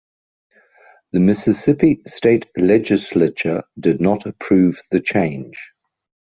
The Mississippi State legislature did not approve the change.